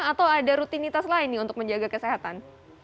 atau ada rutinitas lain nih untuk menjaga kesehatan